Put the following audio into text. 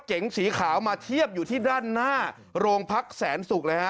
เก๋งสีขาวมาเทียบอยู่ที่ด้านหน้าโรงพักแสนศุกร์เลยฮะ